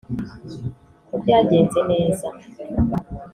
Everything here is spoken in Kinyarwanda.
ko byagenze neza